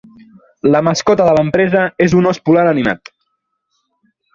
La mascota de l'empresa és un os polar animat.